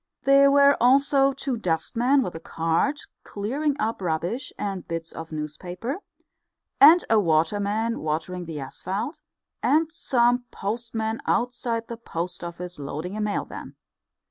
There were also two dustmen with a cart clearing up rubbish and bits of newspaper, and a water man watering the asphalt, and some postmen outside the Post Office loading a mail van.